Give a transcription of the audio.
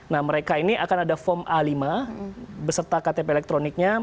nah mereka ini akan ada form a lima beserta ktp elektroniknya